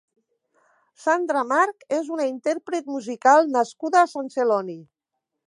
Sandra March és una intérpret musical nascuda a Sant Celoni.